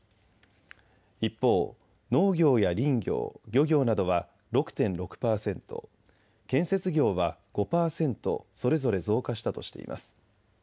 一方、農業や林業、漁業などは６．６％、建設業は５％、それぞれ増加したとしています。